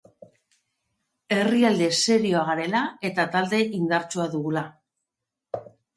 Herrialde serioa garela eta talde indartsua dugula.